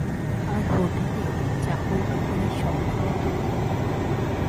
আর হোটেলের চাকরবাকরের সংখ্যাও খুব কম।